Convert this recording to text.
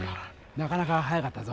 なかなか速かったぞ。